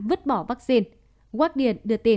vứt bỏ vaccine